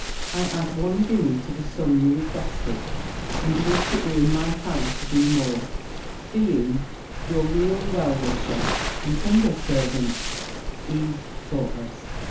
I add one guinea to the sum you requested; and wish it were in my power to do more, being your real well wisher, and humble servant, E. THOUGHTLESS.'